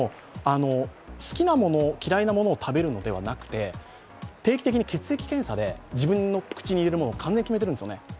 好きなもの、嫌いなものを食べるのではなくて定期的に血液検査で自分の口に入れるものを決めているんですよね。